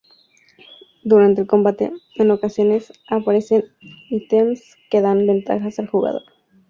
Durante el combate, en ocasiones aparecen ítems que dan ventajas al jugador.